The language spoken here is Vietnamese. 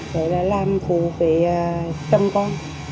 để là làm phụ về tâm con